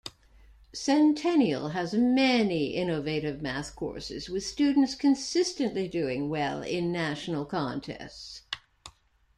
Centennial has many innovative Math courses with students consistently doing well in National contests.